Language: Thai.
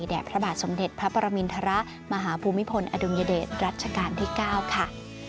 พระบาทสมเด็จพระปรมินทรมาหาภูมิพลอดุลยเดชรัชกาลที่๙ค่ะ